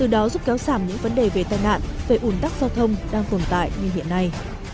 đối xảm những vấn đề về tai nạn về ủn tắc giao thông đang tồn tại như hiện nay